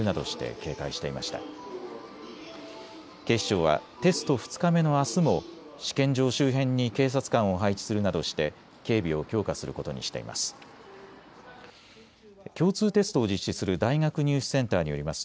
警視庁はテスト２日目のあすも試験場周辺に警察官を配置するなどして警備を強化することにしています。